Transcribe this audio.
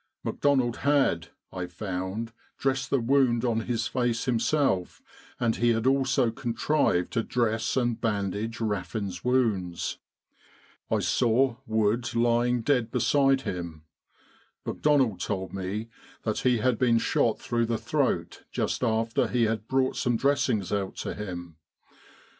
McDonald had, I found, dressed the 98 Kantara and Katia wound on his face himself, and he had also contrived to dress and bandage Raffin's wounds. I saw Wood lying dead beside him : McDonald told me that he had been shot through the throat just after he had brought some dressings out to him.